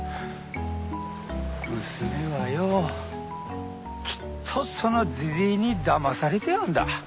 娘はよきっとそのジジイに騙されてあんだ。